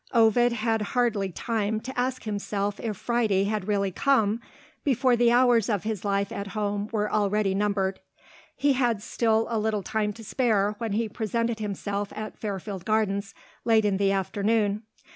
Ovid had hardly time to ask himself if Friday had really come, before the hours of his life at home were already numbered. He had still a little time to spare when he presented himself at Fairfield Gardens late in the afternoon.